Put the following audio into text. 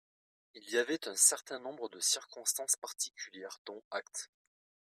Il y avait un certain nombre de circonstances particulières, dont acte.